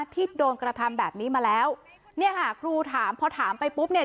ที่โดนกระทำแบบนี้มาแล้วเนี่ยค่ะครูถามพอถามไปปุ๊บเนี่ย